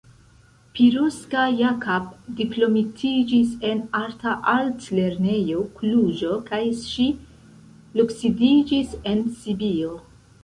Piroska Jakab diplomitiĝis en Arta Altlernejo Kluĵo kaj ŝi loksidiĝis en Sibio.